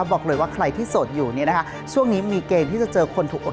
บอกเลยว่าใครที่โสดอยู่เนี่ยนะคะช่วงนี้มีเกณฑ์ที่จะเจอคนถูกอด